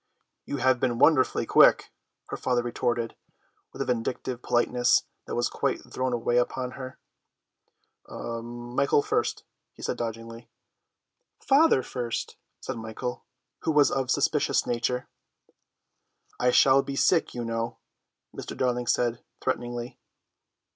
"You have been wonderfully quick," her father retorted, with a vindictive politeness that was quite thrown away upon her. "Michael first," he said doggedly. "Father first," said Michael, who was of a suspicious nature. "I shall be sick, you know," Mr. Darling said threateningly.